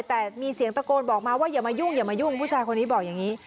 แต่มีเสียงตะโกนบอกมาว่าอย่ามายุ่งอย่ามายุ่งผู้ชายคนนี้บอกอย่างนี้